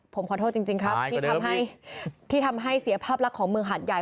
ผมขอโทษจริงครับที่ทำให้ที่ทำให้เสียภาพลักษณ์ของเมืองหาดใหญ่